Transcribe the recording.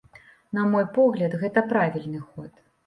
На мой погляд, гэта правільны ход.